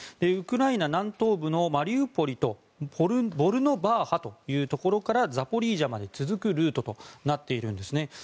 ウクライナ南東部のマリウポリとボルノバーハというところからザポリージャまで続くルートとなっているんです。